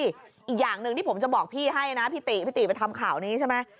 อีกอย่างหนึ่งที่ผมจะบอกพี่ให้นะพี่ติพี่ติไปทำข่าวนี้ใช่ไหม